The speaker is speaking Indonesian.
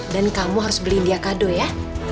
dan kamu harus beli dia kado ya